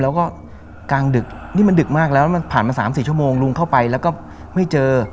แล้วก็กลางดึกนี่มันดึกมากแล้วมันผ่านมา๓๔ชั่วโมงลุงเข้าไปแล้วก็ไม่เจอ